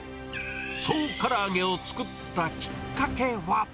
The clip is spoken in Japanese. そうからあげを作ったきっかけは？